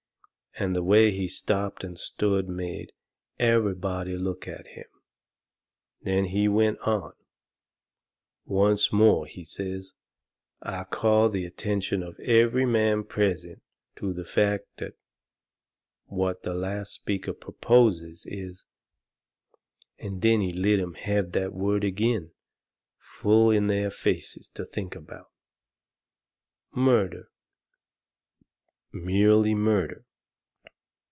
And the way he stopped and stood made everybody look at him. Then he went on: "Once more," he says, "I call the attention of every man present to the fact that what the last speaker proposes is " And then he let 'em have that word agin, full in their faces, to think about "MURDER! Merely murder."